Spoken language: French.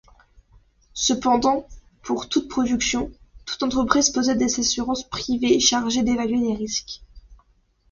Cependant, pour toute production, toute entreprise possède des assurances privées chargées d'évaluer les risques.